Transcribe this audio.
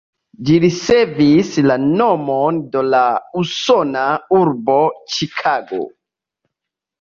Ĝi ricevis la nomon de la usona urbo Ĉikago.